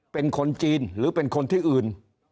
เป็นคนจีนหรือเป็นคนที่อื่น